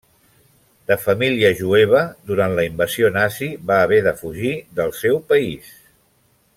De família jueva, durant la invasió nazi va haver de fugir del seu país.